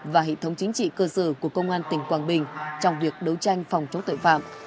và hệ thống chính trị cơ sở của công an tỉnh quảng bình trong việc đấu tranh phòng chống tội phạm